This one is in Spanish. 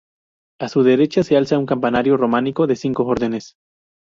A su derecha se alza un campanario románico de cinco órdenes.